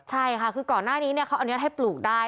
ใช่ค่ะคือก่อนหน้านี้เขาอนุญาตให้ปลูกได้